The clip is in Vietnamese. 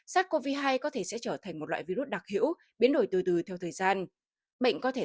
sars cov hai có thể sẽ trở thành một loại virus đặc hữu biến đổi từ từ theo thời gian bệnh